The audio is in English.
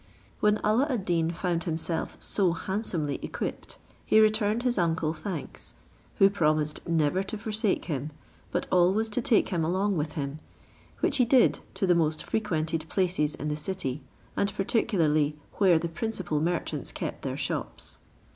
When Alla ad Deen found himself so handsomely equipped, he returned his uncle thanks; who promised never to forsake him, but always to take him along with him; which he did to the most frequented places in the city, and particularly where the principal merchants kept their shops.